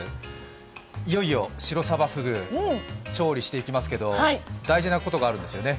いよいよシロサバフグ、調理していきますけど大事なことがあるんですよね。